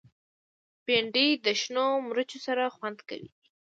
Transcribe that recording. بېنډۍ د شنو مرچو سره خوند کوي